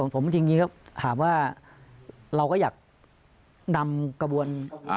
ผมจริงก็ถามว่าเราก็อยากนำกระบวน